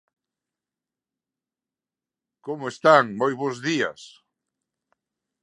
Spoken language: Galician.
Como están moi bos días.